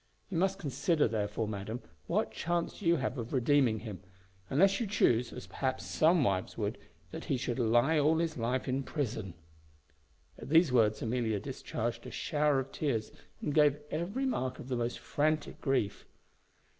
You must consider, therefore, madam, what chance you have of redeeming him; unless you chuse, as perhaps some wives would, that he should lie all his life in prison." At these words Amelia discharged a shower of tears, and gave every mark of the most frantic grief.